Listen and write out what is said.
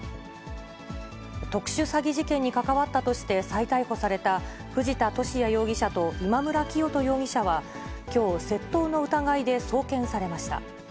特殊詐欺事件に関わったとして再逮捕された、藤田聖也容疑者と今村磨人容疑者は、きょう窃盗の疑いで送検されました。